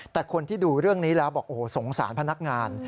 แต่คนที่ดูเรื่องนี้แล้วบอกโอ้โหสงสารพนักงาน